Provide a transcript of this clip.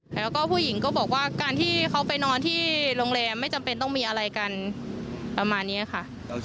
แล้วก็ผู้หญิงก็บอกว่าการที่เขาไปนอนที่โรงแรมไม่จำเป็นต้องมีอะไรกันประมาณนี้ค่ะ